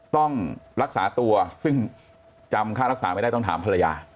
ต้องรักษาตัวซึ่งจำค่ารักษาไม่ได้ต้องถามภรรยา